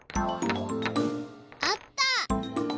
あった。